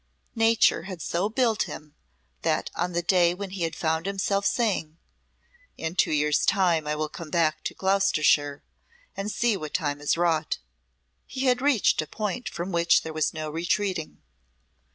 Nature had so built him, that on the day when he had found himself saying, "In two years' time I will come back to Gloucestershire and see what time has wrought," he had reached a point from which there was no retreating.